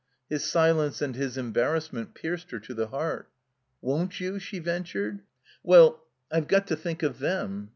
His silence and his embarrassment pierced her to the heart. * 'Won't you?" she ventured. ''Well — I've got to think of them.